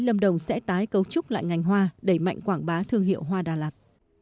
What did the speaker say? lâm đồng sẽ tái cấu trúc lại ngành hoa đẩy mạnh quảng bá thương hiệu hoa đà lạt